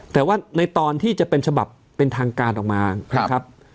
แต่ว่าในตอนที่จะเป็นฉบับเป็นทางการออกมานะครับ